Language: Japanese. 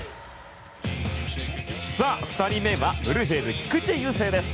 さあ２人目はブルージェイズ、菊池雄星です。